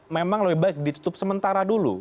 memang lebih baik ditutup sementara dulu